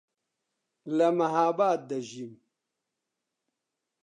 لە مەهاباد دەژیم.